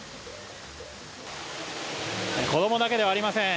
子供だけではありません。